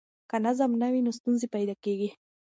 که نظم نه وي، ستونزې پیدا کېږي.